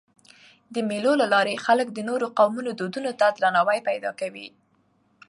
د مېلو له لاري خلک د نورو قومونو دودونو ته درناوی پیدا کوي.